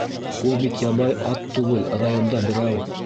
Ул бит ябай ат түгел, районда берәү!